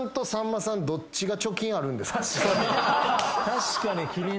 確かに！